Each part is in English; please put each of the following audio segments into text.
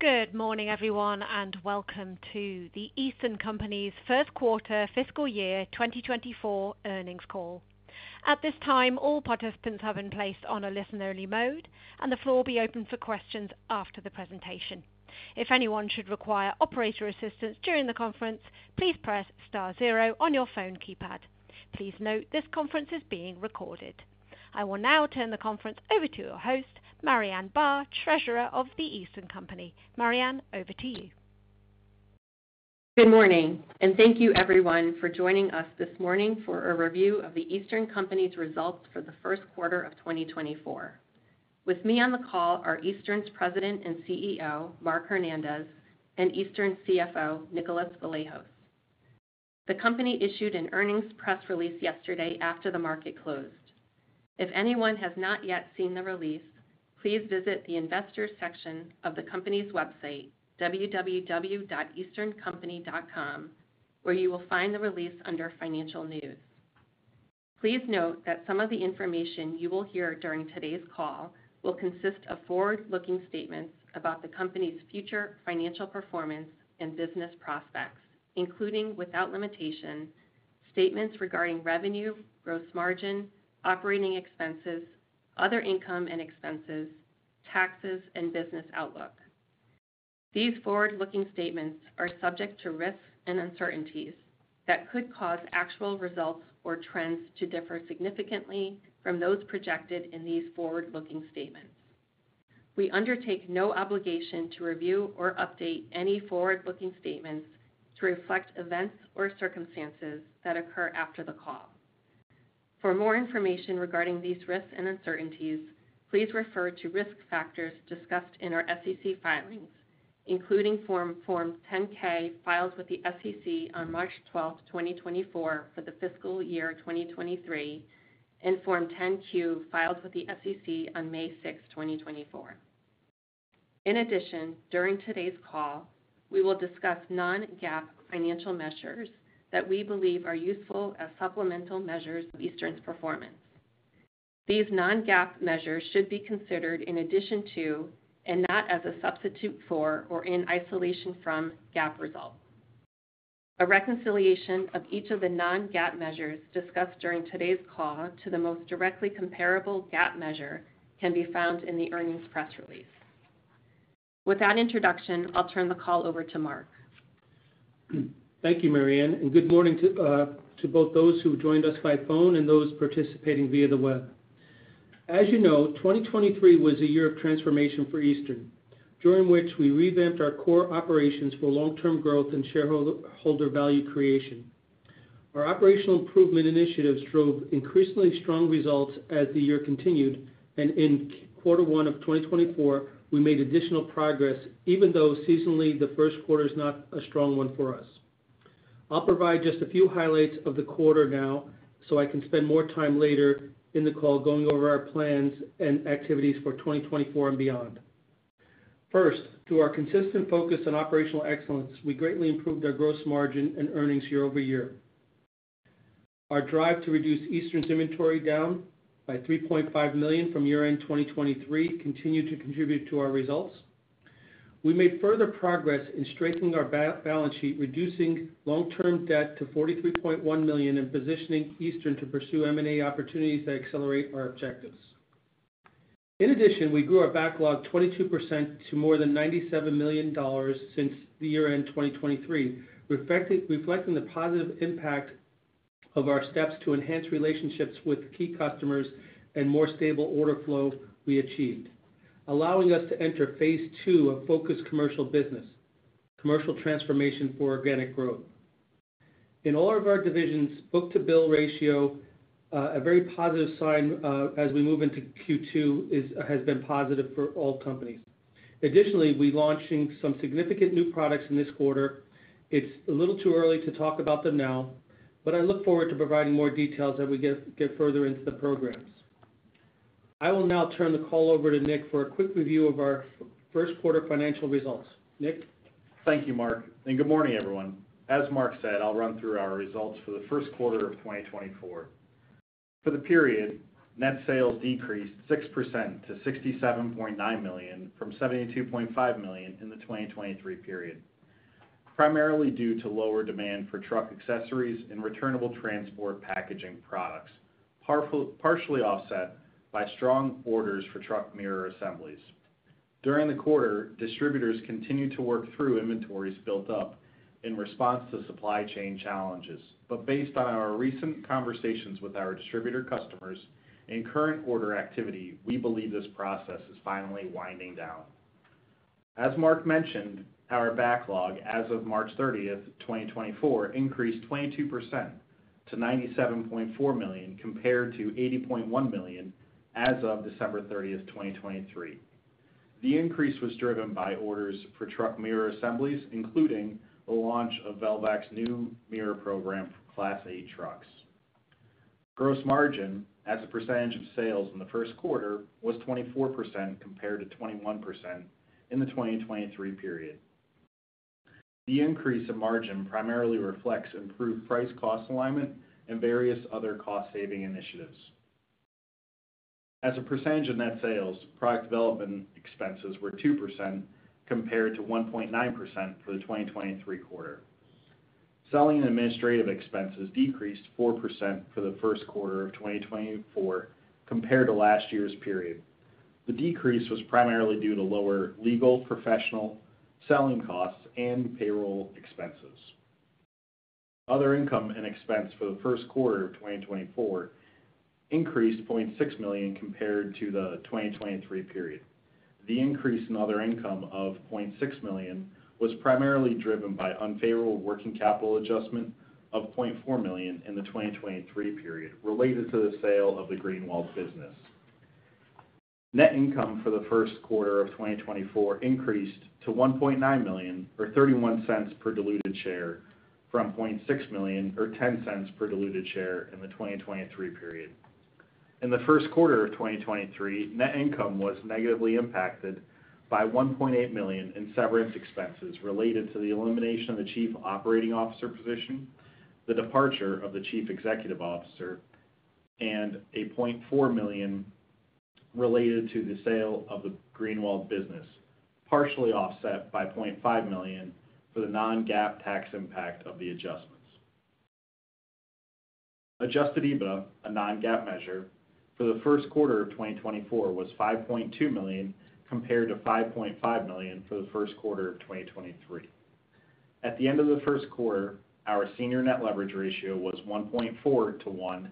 Good morning, everyone, and welcome to The Eastern Company's first quarter fiscal year 2024 earnings call. At this time, all participants have been placed on a listener-only mode, and the floor will be open for questions after the presentation. If anyone should require operator assistance during the conference, please press star zero on your phone keypad. Please note this conference is being recorded. I will now turn the conference over to your host, Marianne Barr, Treasurer of The Eastern Company. Marianne, over to you. Good morning, and thank you, everyone, for joining us this morning for a review of the Eastern Company's results for the first quarter of 2024. With me on the call are Eastern's President and CEO, Mark Hernandez, and Eastern's CFO, Nicholas Vlahos. The company issued an earnings press release yesterday after the market closed. If anyone has not yet seen the release, please visit the investors section of the company's website, www.easterncompany.com, where you will find the release under Financial News. Please note that some of the information you will hear during today's call will consist of forward-looking statements about the company's future financial performance and business prospects, including, without limitation, statements regarding revenue, gross margin, operating expenses, other income and expenses, taxes, and business outlook. These forward-looking statements are subject to risks and uncertainties that could cause actual results or trends to differ significantly from those projected in these forward-looking statements. We undertake no obligation to review or update any forward-looking statements to reflect events or circumstances that occur after the call. For more information regarding these risks and uncertainties, please refer to risk factors discussed in our SEC filings, including Form 10-K filed with the SEC on March 12, 2024, for the fiscal year 2023, and Form 10-Q filed with the SEC on May 6, 2024. In addition, during today's call, we will discuss non-GAAP financial measures that we believe are useful as supplemental measures of Eastern's performance. These non-GAAP measures should be considered in addition to and not as a substitute for or in isolation from GAAP results. A reconciliation of each of the non-GAAP measures discussed during today's call to the most directly comparable GAAP measure can be found in the earnings press release. With that introduction, I'll turn the call over to Mark. Thank you, Marianne, and good morning to both those who joined us by phone and those participating via the web. As you know, 2023 was a year of transformation for Eastern, during which we revamped our core operations for long-term growth and shareholder value creation. Our operational improvement initiatives drove increasingly strong results as the year continued, and in quarter one of 2024, we made additional progress, even though seasonally the first quarter is not a strong one for us. I'll provide just a few highlights of the quarter now so I can spend more time later in the call going over our plans and activities for 2024 and beyond. First, through our consistent focus on operational excellence, we greatly improved our gross margin and earnings year-over-year. Our drive to reduce Eastern's inventory down by 3.5 million from year-end 2023 continued to contribute to our results. We made further progress in strengthening our balance sheet, reducing long-term debt to $43.1 million, and positioning Eastern to pursue M&A opportunities that accelerate our objectives. In addition, we grew our backlog 22% to more than $97 million since the year-end 2023, reflecting the positive impact of our steps to enhance relationships with key customers and more stable order flow we achieved, allowing us to enter phase two of focused commercial business, commercial transformation for organic growth. In all of our divisions, book-to-bill ratio, a very positive sign as we move into Q2, has been positive for all companies. Additionally, we're launching some significant new products in this quarter. It's a little too early to talk about them now, but I look forward to providing more details as we get further into the programs. I will now turn the call over to Nick for a quick review of our first quarter financial results. Nick? Thank you, Mark, and good morning, everyone. As Mark said, I'll run through our results for the first quarter of 2024. For the period, net sales decreased 6% to $67.9 million from $72.5 million in the 2023 period, primarily due to lower demand for truck accessories and returnable transport packaging products, partially offset by strong orders for truck mirror assemblies. During the quarter, distributors continued to work through inventories built up in response to supply chain challenges. But based on our recent conversations with our distributor customers and current order activity, we believe this process is finally winding down. As Mark mentioned, our backlog as of March 30, 2024, increased 22% to $97.4 million compared to $80.1 million as of December 30, 2023. The increase was driven by orders for truck mirror assemblies, including the launch of Velvac new mirror program for Class 8 trucks. Gross margin, as a percentage of sales in the first quarter, was 24% compared to 21% in the 2023 period. The increase in margin primarily reflects improved price-cost alignment and various other cost-saving initiatives. As a percentage of net sales, product development expenses were 2% compared to 1.9% for the 2023 quarter. Selling and administrative expenses decreased 4% for the first quarter of 2024 compared to last year's period. The decrease was primarily due to lower legal, professional selling costs, and payroll expenses. Other income and expense for the first quarter of 2024 increased $0.6 million compared to the 2023 period. The increase in other income of $0.6 million was primarily driven by unfavorable working capital adjustment of $0.4 million in the 2023 period related to the sale of the Greenwald business. Net income for the first quarter of 2024 increased to $1.9 million or $0.31 per diluted share from $0.6 million or $0.10 per diluted share in the 2023 period. In the first quarter of 2023, net income was negatively impacted by $1.8 million in severance expenses related to the elimination of the Chief Operating Officer position, the departure of the Chief Executive Officer, and $0.4 million related to the sale of the Greenwald business, partially offset by $0.5 million for the non-GAAP tax impact of the adjustments. Adjusted EBITDA, a non-GAAP measure, for the first quarter of 2024 was $5.2 million compared to $5.5 million for the first quarter of 2023. At the end of the first quarter, our senior net leverage ratio was 1.4 to 1,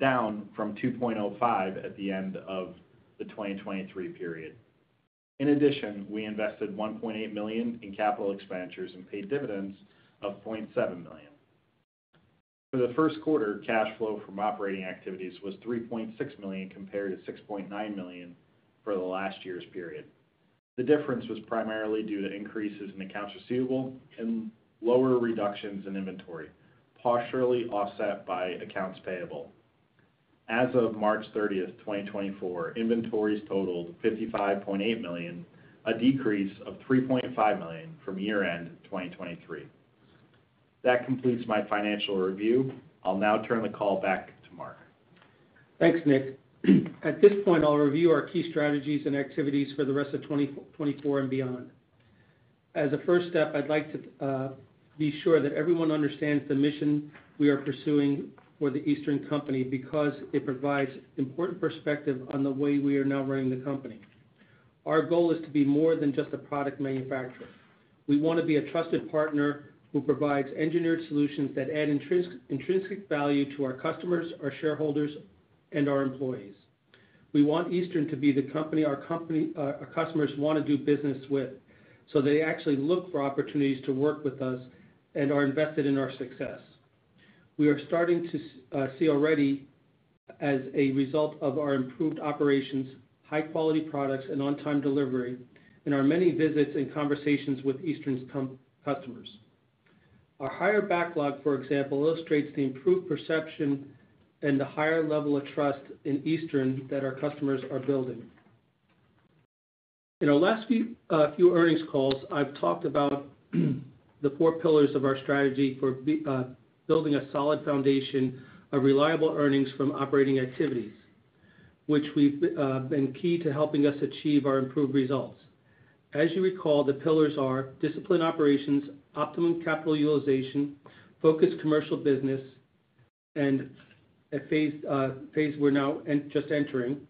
down from 2.05 at the end of the 2023 period. In addition, we invested $1.8 million in capital expenditures and paid dividends of $0.7 million. For the first quarter, cash flow from operating activities was $3.6 million compared to $6.9 million for the last year's period. The difference was primarily due to increases in accounts receivable and lower reductions in inventory, partially offset by accounts payable. As of March 30, 2024, inventories totaled $55.8 million, a decrease of $3.5 million from year-end 2023. That completes my financial review. I'll now turn the call back to Mark. Thanks, Nick. At this point, I'll review our key strategies and activities for the rest of 2024 and beyond. As a first step, I'd like to be sure that everyone understands the mission we are pursuing for the Eastern Company because it provides important perspective on the way we are now running the company. Our goal is to be more than just a product manufacturer. We want to be a trusted partner who provides engineered solutions that add intrinsic value to our customers, our shareholders, and our employees. We want Eastern to be the company our customers want to do business with so they actually look for opportunities to work with us and are invested in our success. We are starting to see already, as a result of our improved operations, high-quality products and on-time delivery in our many visits and conversations with Eastern's customers. Our higher backlog, for example, illustrates the improved perception and the higher level of trust in Eastern that our customers are building. In our last few earnings calls, I've talked about the four pillars of our strategy for building a solid foundation of reliable earnings from operating activities, which have been key to helping us achieve our improved results. As you recall, the pillars are disciplined operations, optimum capital utilization, focused commercial business, and a phase we're now just entering,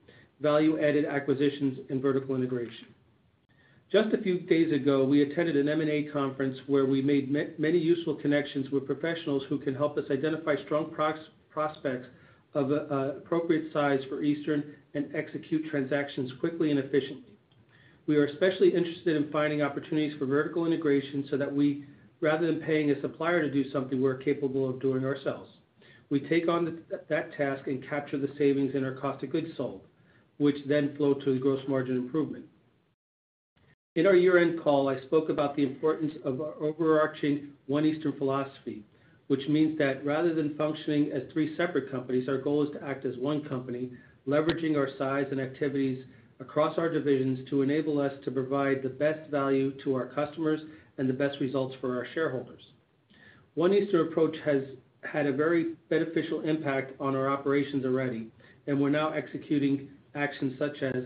value-added acquisitions, and vertical integration. Just a few days ago, we attended an M&A conference where we made many useful connections with professionals who can help us identify strong prospects of appropriate size for Eastern and execute transactions quickly and efficiently. We are especially interested in finding opportunities for vertical integration so that we, rather than paying a supplier to do something, we're capable of doing ourselves. We take on that task and capture the savings in our cost of goods sold, which then flow to the gross margin improvement. In our year-end call, I spoke about the importance of our overarching One Eastern philosophy, which means that rather than functioning as three separate companies, our goal is to act as one company, leveraging our size and activities across our divisions to enable us to provide the best value to our customers and the best results for our shareholders. One Eastern approach has had a very beneficial impact on our operations already, and we're now executing actions such as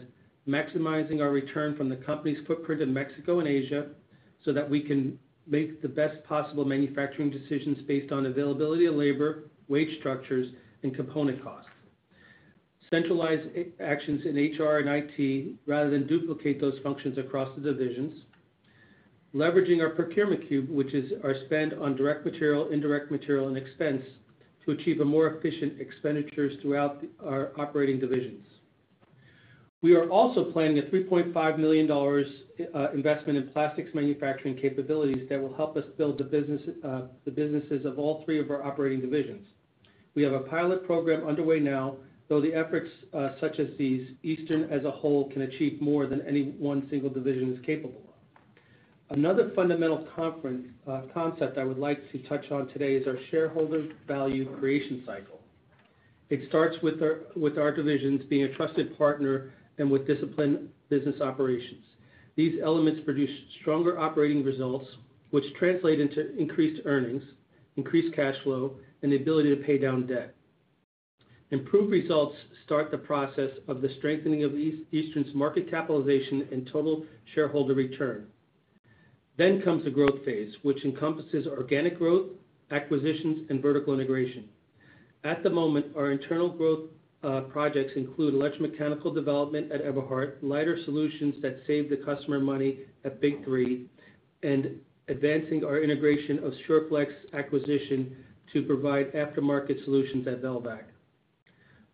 maximizing our return from the company's footprint in Mexico and Asia so that we can make the best possible manufacturing decisions based on availability of labor, wage structures, and component costs, centralized actions in HR and IT rather than duplicate those functions across the divisions, leveraging our procurement cube, which is our spend on direct material, indirect material, and expense, to achieve more efficient expenditures throughout our operating divisions. We are also planning a $3.5 million investment in plastics manufacturing capabilities that will help us build the businesses of all three of our operating divisions. We have a pilot program underway now. Though the efforts such as these, Eastern as a whole can achieve more than any one single division is capable of. Another fundamental concept I would like to touch on today is our shareholder value creation cycle. It starts with our divisions being a trusted partner and with disciplined business operations. These elements produce stronger operating results, which translate into increased earnings, increased cash flow, and the ability to pay down debt. Improved results start the process of the strengthening of Eastern's market capitalization and total shareholder return. Then comes the growth phase, which encompasses organic growth, acquisitions, and vertical integration. At the moment, our internal growth projects include electromechanical development at Eberhard, lighter solutions that save the customer money at Big 3, and advancing our integration of Sure Plus acquisition to provide aftermarket solutions at Velvac.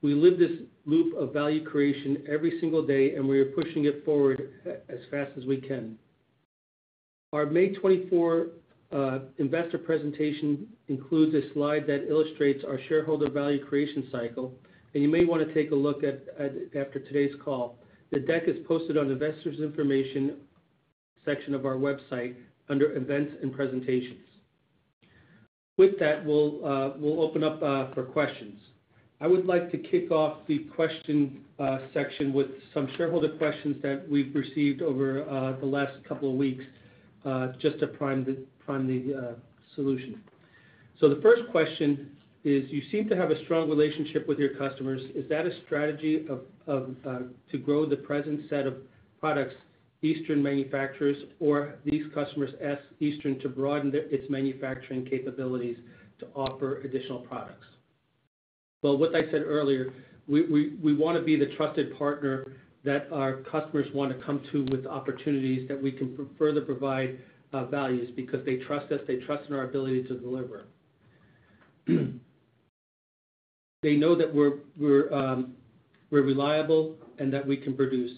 We live this loop of value creation every single day, and we are pushing it forward as fast as we can. Our May 24 investor presentation includes a slide that illustrates our shareholder value creation cycle, and you may want to take a look at it after today's call. The deck is posted on the investors' information section of our website under Events and Presentations. With that, we'll open up for questions. I would like to kick off the question section with some shareholder questions that we've received over the last couple of weeks just to prime the solution. So the first question is, you seem to have a strong relationship with your customers. Is that a strategy to grow the present set of products, Eastern manufacturers, or these customers ask Eastern to broaden its manufacturing capabilities to offer additional products? Well, what I said earlier, we want to be the trusted partner that our customers want to come to with opportunities that we can further provide values because they trust us. They trust in our ability to deliver. They know that we're reliable and that we can produce.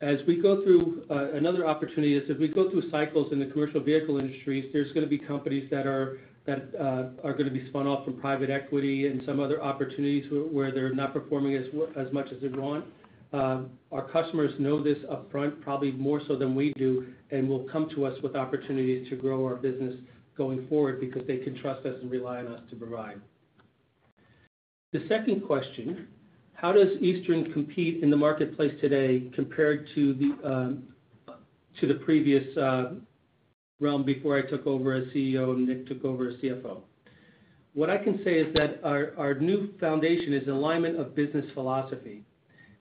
As we go through, another opportunity is if we go through cycles in the commercial vehicle industries. There's going to be companies that are going to be spun off from private equity and some other opportunities where they're not performing as much as they want. Our customers know this upfront, probably more so than we do, and will come to us with opportunities to grow our business going forward because they can trust us and rely on us to provide. The second question, how does Eastern compete in the marketplace today compared to the previous realm before I took over as CEO and Nick took over as CFO? What I can say is that our new foundation is alignment of business philosophy,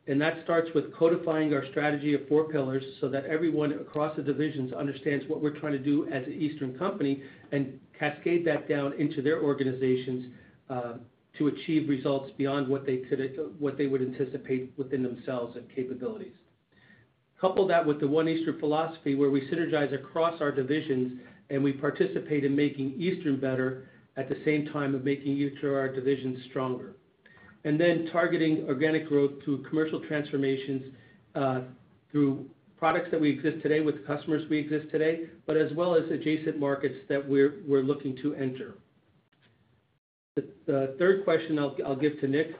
and that starts with codifying our strategy of four pillars so that everyone across the divisions understands what we're trying to do as an Eastern Company and cascade that down into their organizations to achieve results beyond what they would anticipate within themselves and capabilities. Couple that with the One Eastern philosophy where we synergize across our divisions and we participate in making Eastern better at the same time of making each of our divisions stronger, and then targeting organic growth through commercial transformations through products that we exist today with customers we exist today, but as well as adjacent markets that we're looking to enter. The third question I'll give to Nick.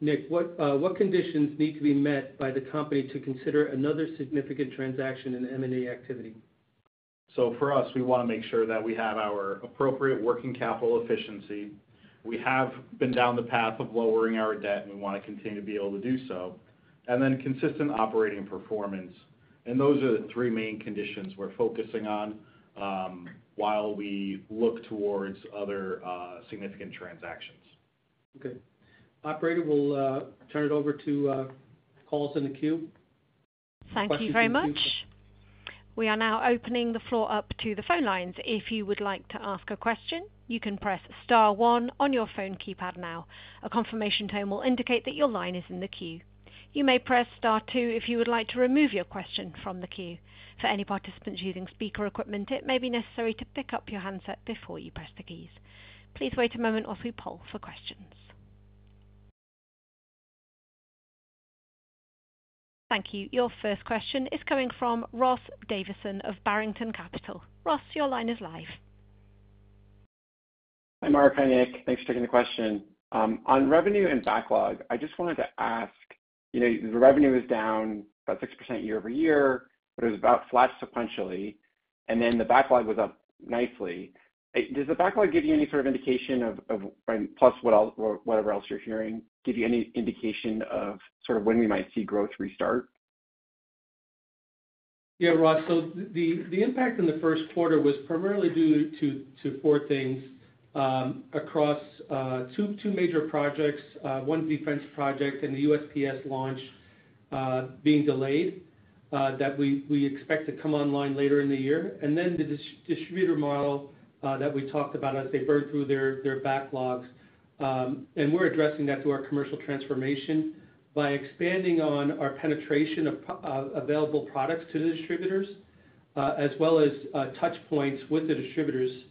Nick, what conditions need to be met by the company to consider another significant transaction in M&A activity? For us, we want to make sure that we have our appropriate working capital efficiency. We have been down the path of lowering our debt, and we want to continue to be able to do so. And then consistent operating performance. Those are the three main conditions we're focusing on while we look toward other significant transactions. Okay. Operator, we'll turn it over to calls in the queue. Thank you very much. We are now opening the floor up to the phone lines. If you would like to ask a question, you can press star one on your phone keypad now. A confirmation tone will indicate that your line is in the queue. You may press star two if you would like to remove your question from the queue. For any participants using speaker equipment, it may be necessary to pick up your handset before you press the keys. Please wait a moment while we poll for questions. Thank you. Your first question is coming from Ross Davisson of Barrington Capital. Ross, your line is live. Hi, Mark. Hi, Nick. Thanks for taking the question. On revenue and backlog, I just wanted to ask, the revenue is down about 6% year-over-year, but it was about flat sequentially, and then the backlog was up nicely. Does the backlog give you any sort of indication of plus whatever else you're hearing, give you any indication of sort of when we might see growth restart? Yeah, Ross. So the impact in the first quarter was primarily due to four things across two major projects. One defense project and the USPS launch being delayed that we expect to come online later in the year. And then the distributor model that we talked about as they burn through their backlogs. And we're addressing that through our commercial transformation by expanding on our penetration of available products to the distributors, as well as touchpoints with the distributors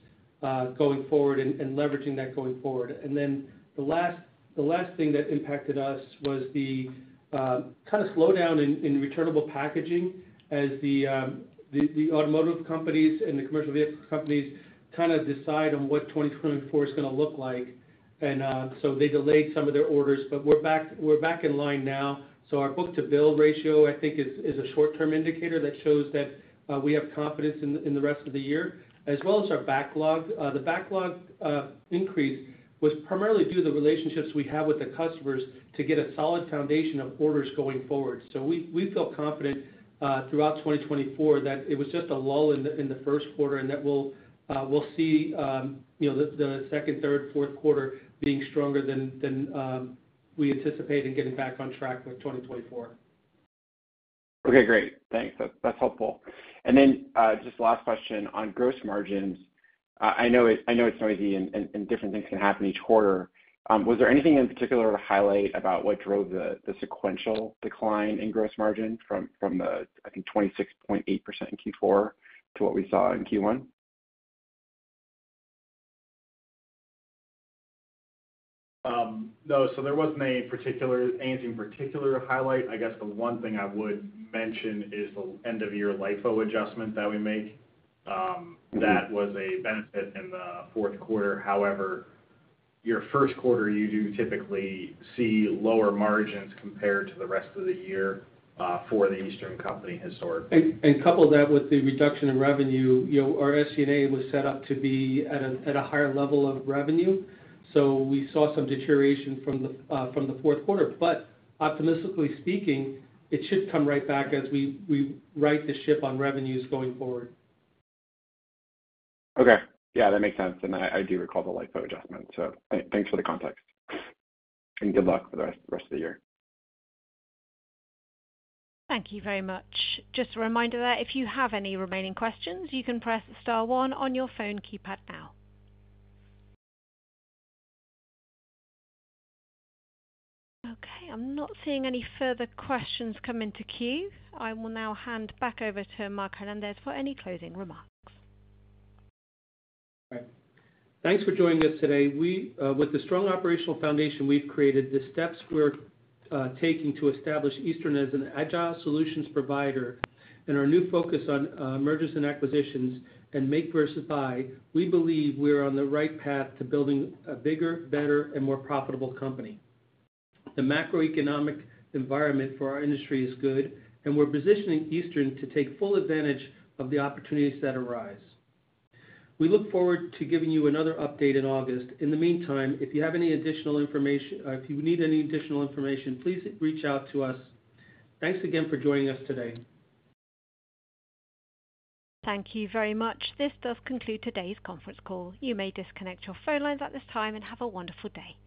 going forward and leveraging that going forward. And then the last thing that impacted us was the kind of slowdown in returnable packaging as the automotive companies and the commercial vehicle companies kind of decide on what 2024 is going to look like. And so they delayed some of their orders, but we're back in line now. So our book-to-bill ratio, I think, is a short-term indicator that shows that we have confidence in the rest of the year, as well as our backlog. The backlog increase was primarily due to the relationships we have with the customers to get a solid foundation of orders going forward. So we feel confident throughout 2024 that it was just a lull in the first quarter and that we'll see the second, third, fourth quarter being stronger than we anticipate in getting back on track with 2024. Okay, great. Thanks. That's helpful. And then just last question on gross margins. I know it's noisy and different things can happen each quarter. Was there anything in particular to highlight about what drove the sequential decline in gross margin from the, I think, 26.8% in Q4 to what we saw in Q1? No, there wasn't anything particular to highlight. I guess the one thing I would mention is the end-of-year LIFO adjustment that we make. That was a benefit in the fourth quarter. However, your first quarter, you do typically see lower margins compared to the rest of the year for the Eastern Company historically. And couple that with the reduction in revenue. Our SG&A was set up to be at a higher level of revenue. So we saw some deterioration from the fourth quarter. But optimistically speaking, it should come right back as we right the ship on revenues going forward. Okay. Yeah, that makes sense. And I do recall the LIFO adjustment. So thanks for the context. And good luck for the rest of the year. Thank you very much. Just a reminder there, if you have any remaining questions, you can press star one on your phone keypad now. Okay. I'm not seeing any further questions come into queue. I will now hand back over to Mark Hernandez for any closing remarks. Thanks for joining us today. With the strong operational foundation we've created, the steps we're taking to establish Eastern as an agile solutions provider and our new focus on mergers and acquisitions and make versus buy, we believe we're on the right path to building a bigger, better, and more profitable company. The macroeconomic environment for our industry is good, and we're positioning Eastern to take full advantage of the opportunities that arise. We look forward to giving you another update in August. In the meantime, if you have any additional information, if you need any additional information, please reach out to us. Thanks again for joining us today. Thank you very much. This does conclude today's conference call. You may disconnect your phone lines at this time and have a wonderful day.